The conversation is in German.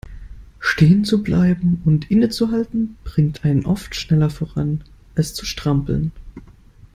Stehen zu bleiben und innezuhalten bringt einen oft schneller voran, als zu strampeln.